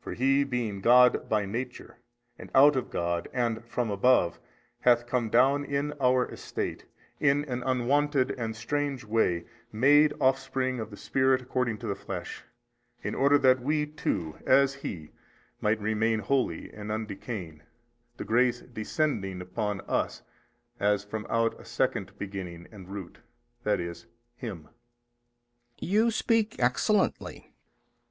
For He being God by Nature and out of God and from above, hath come down in our estate, in an unwonted and strange way, MADE offspring of the Spirit according to the flesh, in order that WE too as He might remain holy and undecaying, the grace descending upon us as from out a second beginning and root, i. e., Him. B. You speak excellently.